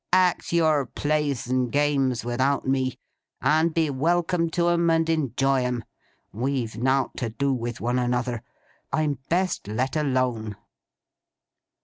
Act your Plays and Games without me, and be welcome to 'em, and enjoy 'em. We've nowt to do with one another. I'm best let alone!"